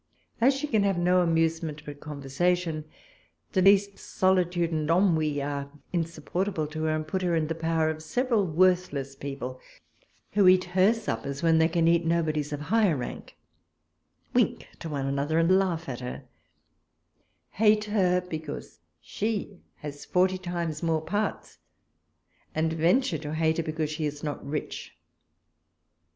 As she can have no amusement but conversation, the least solitude and ennui are insupportable to her, and put her into the power of several worthless people, who eat her suppers when they can eat nobody's of higher rank ; wink to one another and laugh at her ; hate her because she has forty times more parts and venture to hate her because she is not rich.